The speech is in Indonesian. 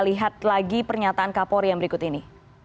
lihat lagi pernyataan kak pori yang berikut ini